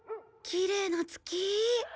きれいな月。